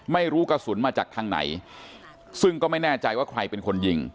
ไม่รู้กระสุนมาจากทางไหนซึ่งก็ไม่แน่ใจว่าใครเป็นคนยิง